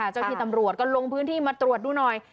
ที่ตำรวจก็ลงพื้นที่มาตรวจดูหน่อย